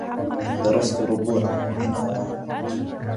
درست ربوعهم وإن هواهم